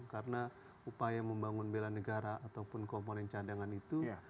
karena upaya membangun bela negara ataupun komponen cadangan itu